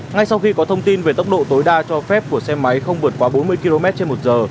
ngay sau khi có thông tin về tốc độ tối đa cho phép của xe máy không vượt qua bốn mươi km trên một giờ